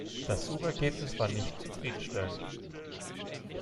Das Suchergebnis war nicht zufriedenstellend.